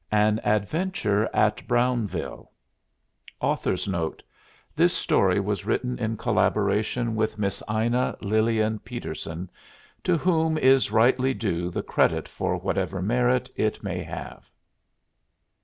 AN ADVENTURE AT BROWNVILLE This story was written in collaboration with Miss Ina Lillian Peterson, to whom is rightly due the credit for whatever merit it may have.